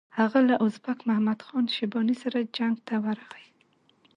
هغه له ازبک محمد خان شیباني سره جنګ ته ورغی.